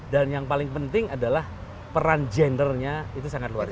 yang paling penting adalah peran gendernya itu sangat luar biasa